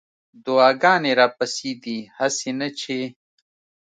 دعاګانې راپسې دي هسې نه چې